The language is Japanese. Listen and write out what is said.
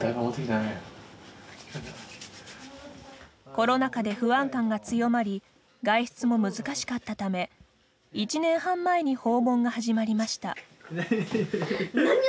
コロナ禍で不安感が強まり外出も難しかったため１年半前に訪問が始まりました。